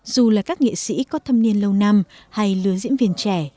dù là các nghệ sĩ có thâm niên lâu năm hay lứa diễn viên trẻ